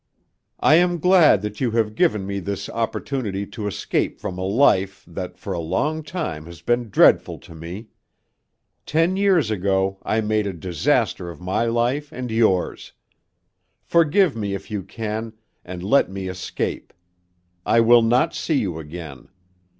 I am glad that you have given me this opportunity to escape from a life that for a long time has been dreadful to me. Ten years ago I made a disaster of my life and yours. Forgive me if you can and let me escape. I will not see you again.